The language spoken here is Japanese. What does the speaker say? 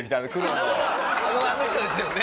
あの黒のあの人ですよね。